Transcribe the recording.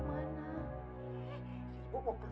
kartu gue bagus